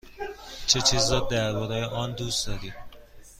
چه چیز را درباره آن دوست داری؟